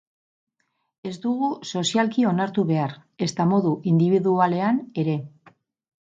Ez dugu sozialki onartu behar, ezta modu indibidualean ere.